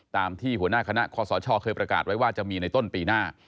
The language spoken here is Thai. ตามที่หัวหน้าคณะคอสชเคยประกาศไว้ว่าจะมีในต้นปีหน้า